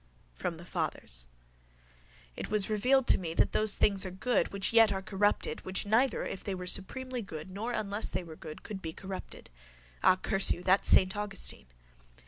_ FROM THE FATHERS It was revealed to me that those things are good which yet are corrupted which neither if they were supremely good nor unless they were good could be corrupted. Ah, curse you! That's saint Augustine.